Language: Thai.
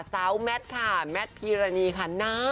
แมทค่ะแมทพีรณีค่ะ